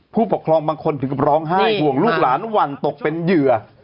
ผู้ปกครองบางคนถึงกับร้องไห้ห่วงลูกหลานหวั่นตกเป็นเหยื่อ